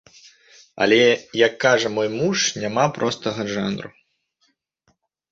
Але, як кажа мой муж, няма простага жанру.